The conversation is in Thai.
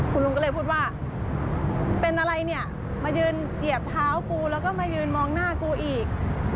คุณลุงก็เลยพูดว่าเป็นอะไรเนี่ยมายืนเหยียบเท้ากูแล้วก็มายืนมองหน้ากูอีก